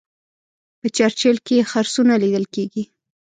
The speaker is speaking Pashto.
په چرچیل کې خرسونه لیدل کیږي.